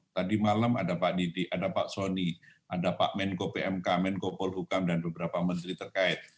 tadi malam ada pak didik ada pak soni ada pak menko pmk menko polhukam dan beberapa menteri terkait